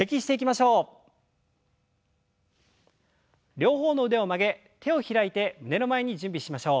両方の腕を曲げ手を開いて胸の前に準備しましょう。